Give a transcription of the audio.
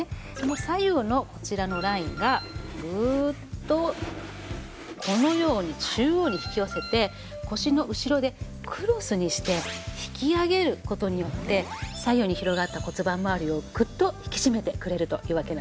左右のこちらのラインがグーッとこのように中央に引き寄せて腰の後ろでクロスにして引き上げる事によって左右に広がった骨盤まわりをグッと引き締めてくれるというわけなんですね。